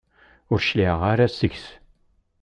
Ur cliɛeɣ ara seg-s.